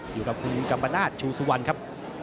อยู่กับคุณกัมาณาชชูสวันครับ